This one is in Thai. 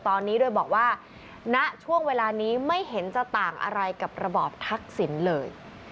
ตอนนี้โดยบอกว่าณช่วงเวลานี้ไม่เห็นจะต่างอะไรกับระบอบทักษิณเลย